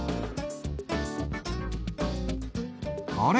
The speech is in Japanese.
あれ？